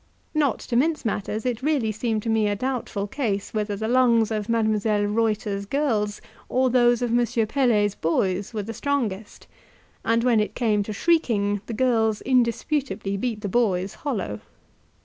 Not to mince matters, it really seemed to me a doubtful case whether the lungs of Mdlle. Reuter's girls or those of M. Pelet's boys were the strongest, and when it came to shrieking the girls indisputably beat the boys hollow.